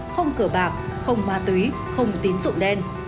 không cửa bạc không ma túy không tín dụng đen